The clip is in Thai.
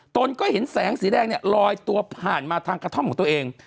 ตนก็เห็นแสงสีแดงเนี่ยลอยตัวผ่านมาทางกระท่อมของตัวเอง